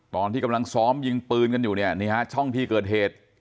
ตอนที่กำลังซ้อมยิงปืนกันอยู่เนี่ยนี่ฮะช่องที่เกิดเหตุ